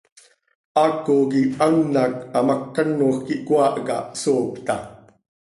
¡Haaco quih an hac hamác canoj quih cöhaahca, hsoocta!